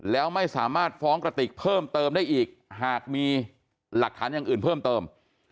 แล้วไม่สามารถฟ้องกระติกเพิ่มเติมได้อีกหากมีหลักฐานอย่างอื่นเพิ่มเติม